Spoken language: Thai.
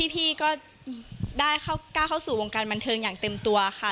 พี่ก็ได้ก้าวเข้าสู่วงการบันเทิงอย่างเต็มตัวค่ะ